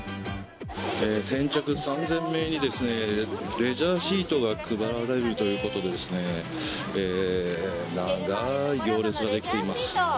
先着３０００名にレジャーシートが配られるということで長い行列ができています。